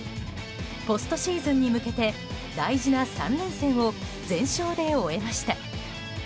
ポストシーズンに向けて大事な３連戦を全勝で終えました。